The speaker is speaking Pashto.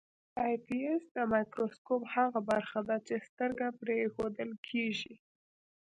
آی پیس د مایکروسکوپ هغه برخه ده چې سترګه پرې ایښودل کیږي.